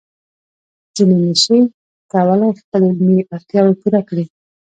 ځینې نشي کولای خپل علمي اړتیاوې پوره کړي.